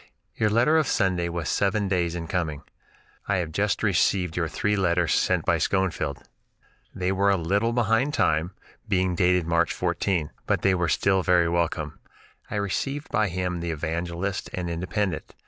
Your letter of Sunday was seven days in coming. I have just received your three letters sent by Schoenfield. They were a little behind time, being dated March 14! but they were still very welcome. I received by him the 'Evangelist' and 'Independent.'